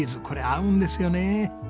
これ合うんですよね。